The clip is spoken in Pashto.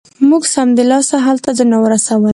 موږ سمدلاسه هلته ځانونه ورسول.